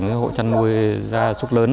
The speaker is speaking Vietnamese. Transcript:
hộ chăn nuôi gia súc lớn